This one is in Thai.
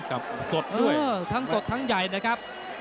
สดด้วยทั้งสดทั้งใหญ่นะครับ